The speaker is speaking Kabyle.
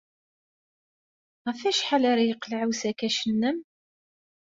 Ɣef wacḥal ara yeqleɛ usakac-nnem?